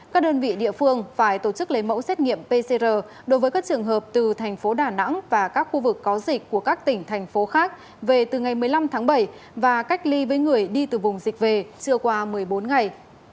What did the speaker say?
không để đi từ vùng dịch về chưa qua một mươi bốn ngày